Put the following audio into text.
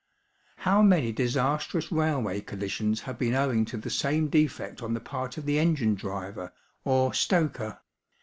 How many disastrous railway collisions have been owing to the same defect on the part of the engine driver or stoker?